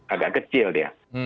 agak kecil dia